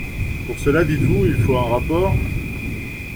Pour cela, dites-vous, il faut un rapport.